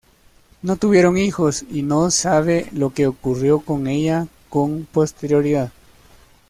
No tuvieron hijos y no se sabe lo que ocurrió con ella con posterioridad.